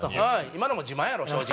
今のも自慢やろ正直。